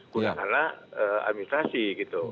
guna karena administrasi gitu